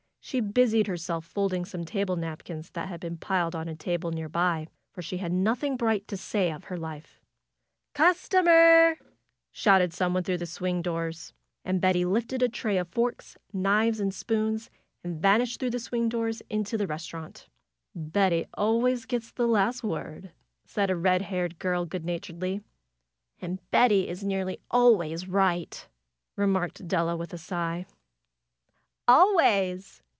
She busied herself folding some table napkins that had been piled on a table nearby, for she had nothing bright to say of her life. '^Customer shouted some one through the swing doors. And Betty lifted a tray of forks, knives and spoons and vanished through the swing doors into the restaurant. "Betty always gets the last word," said a red haired girl, good naturedly. "And Betty is nearly always right!" remarked Della with a sigh. "Always!"